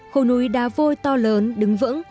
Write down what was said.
hồ núi đá vôi to lớn đứng vững